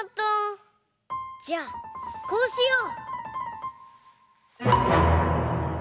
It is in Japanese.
じゃあこうしよう！